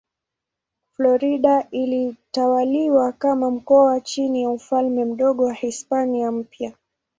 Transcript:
Florida ilitawaliwa kama mkoa chini ya Ufalme Mdogo wa Hispania Mpya.